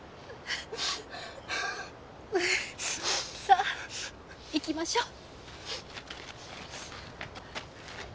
さあ行きましょう。